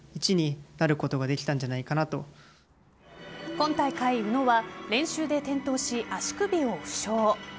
今大会、宇野は練習で転倒し足首を負傷。